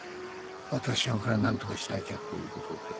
私がこれはなんとかしなきゃという事で。